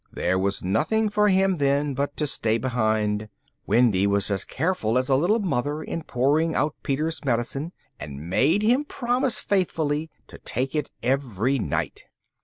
There was nothing for him, then, but to stay behind. Wendy was as careful as a little mother in pouring out Peter's medicine, and made him promise faithfully to take it every night.